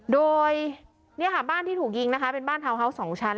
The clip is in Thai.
โดยเนี่ยค่ะบ้านที่ถูกยิงนะคะเป็นบ้านทาวน์ฮาวส์๒ชั้น